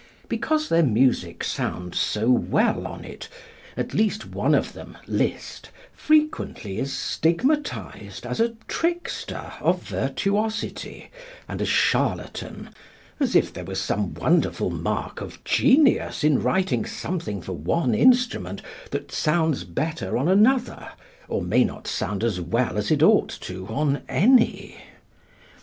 Because their music sounds so well on it, at least one of them, Liszt, frequently is stigmatized as a trickster of virtuosity and a charlatan, as if there were some wonderful mark of genius in writing something for one instrument that sounds better on another or may not sound as well as it ought to on any.